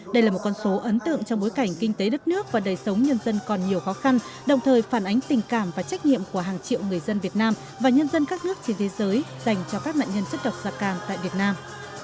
đất nước và đời sống nhân dân còn nhiều khó khăn đồng thời phản ánh tình cảm và trách nhiệm của hàng triệu người dân việt nam và nhân dân các nước trên thế giới dành cho các nạn nhân chất độc da cam tại việt nam